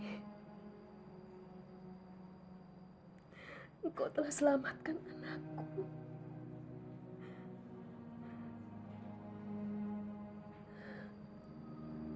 engkau telah selamatkan anakku